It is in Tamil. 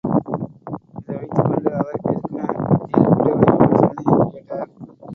இதை வைத்துக் கொண்டு அவர் எதுக்கு மேன் ஜெயில் பூட்டை உடைக்கும்படி சொன்னே? என்று கேட்டார்.